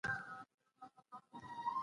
ولي هوکړه په نړیواله کچه ارزښت لري؟